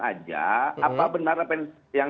aja apa benar apa yang